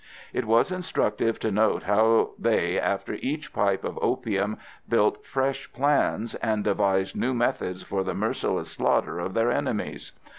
It was instructive to note how they, after each pipe of opium, built fresh plans, and devised new methods for the merciless slaughter of their enemies.